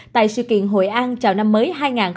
tại sự kiện hội an chào năm mới hai nghìn hai mươi